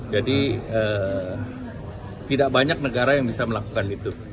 jadi tidak banyak negara yang bisa melakukan itu